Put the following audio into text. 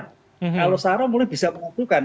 kalau sarah mungkin bisa mengutuhkan